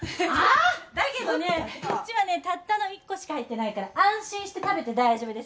だけどねこっちはねたったの１個しか入ってないから安心して食べて大丈夫ですよ。